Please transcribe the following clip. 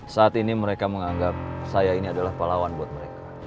saat ini mereka menganggap saya ini adalah pahlawan buat mereka